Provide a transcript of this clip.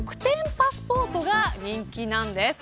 パスポートが人気なんです。